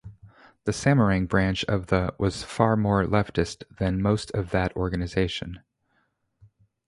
The Semarang branch of the was far more leftist than most of that organization.